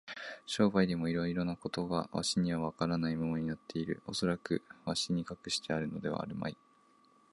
商売でもいろいろなことがわしにはわからないままになっている。おそらくわしに隠してあるのではあるまい。